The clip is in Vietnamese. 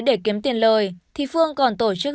để kiếm tiền lời thì phương còn tổ chức